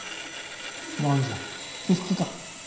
何じゃ不服か。